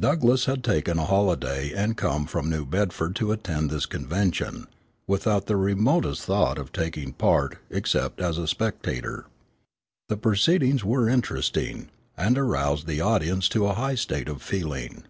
Douglass had taken a holiday and come from New Bedford to attend this convention, without the remotest thought of taking part except as a spectator. The proceedings were interesting, and aroused the audience to a high state of feeling.